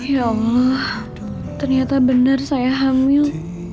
ya allah ternyata benar saya hamil